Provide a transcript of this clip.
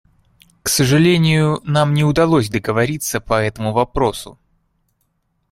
К сожалению, нам не удалось договориться по этому вопросу.